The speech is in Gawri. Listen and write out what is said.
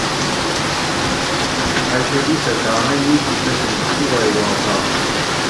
ائ تیدی سٞہ دامئ نِکی تتھیں کُووٞئی وا گا